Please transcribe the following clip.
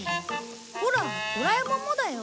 ほらドラえもんもだよ。